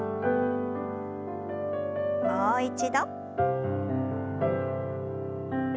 もう一度。